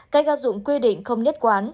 cách áp dụng quy định không nhất quán